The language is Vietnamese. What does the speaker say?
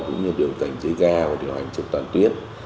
cũng như điều cảnh dưới ga và điều hành trên toàn tuyến